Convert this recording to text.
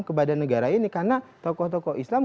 kepada negara ini karena tokoh tokoh islam